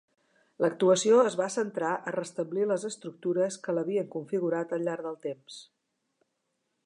L'actuació es va centrar a restablir les estructures que l'havien configurat al llarg del temps.